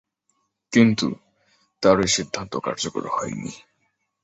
কিন্ত, তার ঐ সিদ্ধান্ত কার্যকর হয়নি।